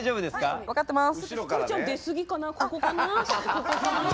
はい分かってます。